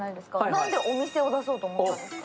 なんでお店を出そうと思ったんですか？